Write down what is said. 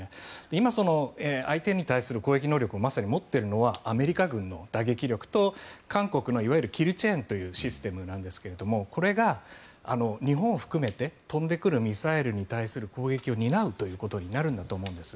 今、相手に対する攻撃能力を持っているのはアメリカ軍の打撃力と韓国のキルチェーンというシステムなんですがこれが日本を含めて飛んでくるミサイルに対する攻撃を担うということになるんだと思うんです。